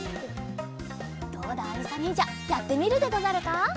どうだありさにんじゃやってみるでござるか？